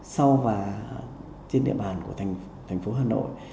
sau và trên địa bàn của thành phố hà nội